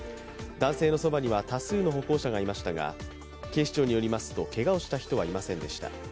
男性のそばには多数の歩行者がいましたが警視庁によりますと、けがをした人はいませんでした。